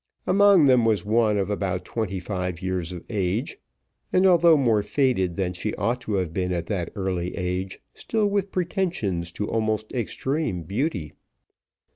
Among them was one about twenty five years of age, and although more faded than she ought to have been at that early age, still with pretensions to almost extreme beauty.